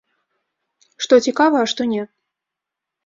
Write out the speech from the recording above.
Што цікава, а што не.